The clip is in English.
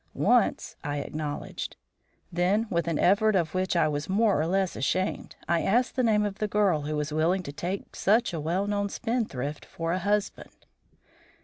"Once," I acknowledged. Then with an effort of which I was more or less ashamed, I asked the name of the girl who was willing to take such a well known spendthrift for a husband.